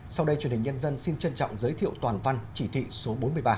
sau đây truyền hình nhân dân xin trân trọng giới thiệu toàn văn chỉ thị số bốn mươi ba